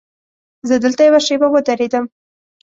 زه دلته یوه شېبه ودرېدم.